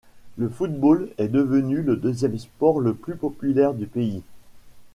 Le football est devenu le deuxième sport le plus populaire du pays.